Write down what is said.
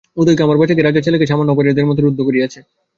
উদয়কে– আমার বাছাকে– রাজার ছেলেকে সামান্য অপরাধীর মতো রুদ্ধ করিয়াছ।